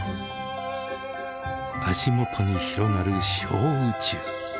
足元に広がる小宇宙。